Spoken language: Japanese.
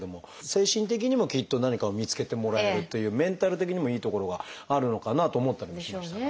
精神的にもきっと何かを見つけてもらえるというメンタル的にもいいところがあるのかなと思ったりもしましたが。